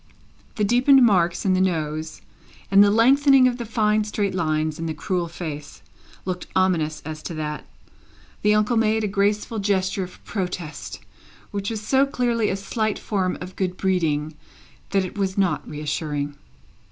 The deepened marks in the nose, and the lengthening of the fine straight lines in the cruel face, looked ominous as to that; the uncle made a graceful gesture of protest, which was so clearly a slight form of good breeding that it was not reassuring.